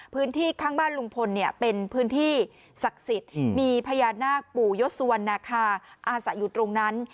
พื้นที่ข้างบ้านลุงพลเนี่ยเป็นพื้นที่ศักดิ์สิทธิ์มีพญานาคปู่ยศสุวรรณาคาอาศัยอยู่ตรงนั้น